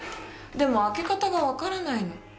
でも開け方がわからないの。